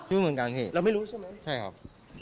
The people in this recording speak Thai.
รู้เหมือนกันค่ะเราไม่รู้ใช่มั้ยใช่ครับ